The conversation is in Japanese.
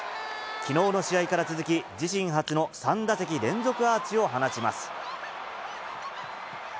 きのうの試合から続き、自身初の３打席連続アーチを放ちます。